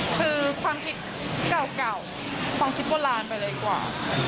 คือความคิดเก่าความคิดโบราณไปเลยกว่า